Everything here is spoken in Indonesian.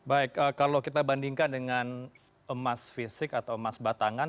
baik kalau kita bandingkan dengan emas fisik atau emas batangan